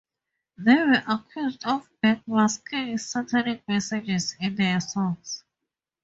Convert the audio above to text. They were accused of backmasking Satanic messages in their songs.